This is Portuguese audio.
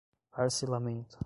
parcelamento